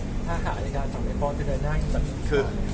ถ้าหากสั่งไม่พ้อจะเดินหน้าอย่างแบบ